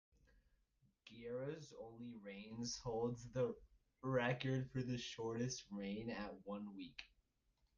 Guerrera's only reigns holds the record for shortest reign at one week.